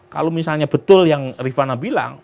kalau misalnya betul yang rifana bilang